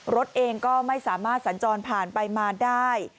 รถเองก็ไม่สามารถสัญจรผ่านไปมาได้